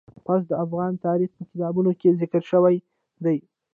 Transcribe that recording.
پسه د افغان تاریخ په کتابونو کې ذکر شوی دي.